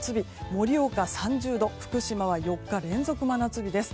盛岡３０度福島は４日連続の真夏日です。